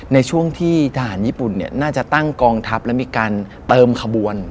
ในช่วงที่ทหารญี่ปุ่นน่าจะตั้งกองทัพและมีการเติมขบวน